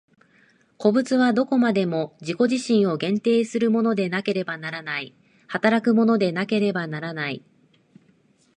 個物はどこまでも自己自身を限定するものでなければならない、働くものでなければならない。